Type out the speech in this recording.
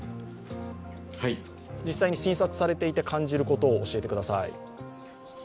実際に診察されていて感じることを教えてください。